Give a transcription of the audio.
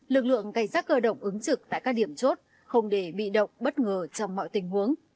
lực lượng cảnh sát cơ động ứng trực tại các điểm chốt không để bị động bất ngờ trong mọi tình huống